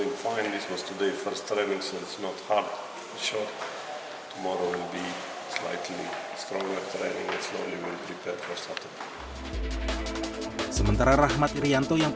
yang akan hilang di pertandingan ini adalah nick karena kartu kuning